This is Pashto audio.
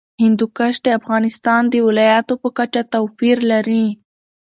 هندوکش د افغانستان د ولایاتو په کچه توپیر لري.